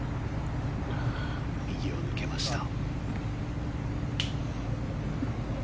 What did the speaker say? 右を抜けました。